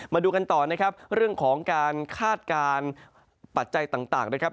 มาดูกันต่อเรื่องของคาดการ์ปัจใจต่างต่าง